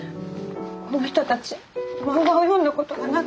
この人たち漫画を読んだことがなくて。